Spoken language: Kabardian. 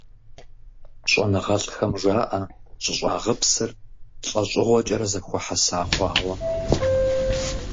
ЩӀэныгъэлӀхэм жаӀэ щӀыщӀагъыпсыр лӀэщӀыгъуэкӀэрэ зэхуэхьэса хъуауэ.